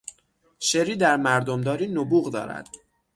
شری در مردمداری نبوغ دارد.